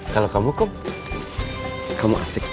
kalau kamu kum kamu asik asik ceng